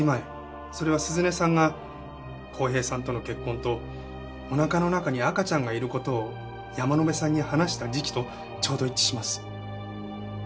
それは涼音さんが浩平さんとの結婚とお腹の中に赤ちゃんがいる事を山野辺さんに話した時期とちょうど一致します。